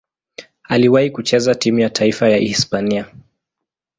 Aliwahi kucheza timu ya taifa ya Hispania.